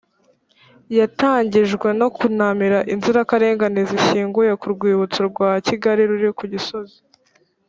yatangijwe no kunamira inzirakarengane zishyinguye ku rwibutso rwa kigali ruri ku gisozi